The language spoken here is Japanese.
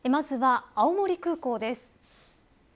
まずは、青森空港です。